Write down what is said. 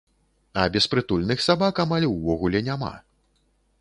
А беспрытульных сабак амаль увогуле няма.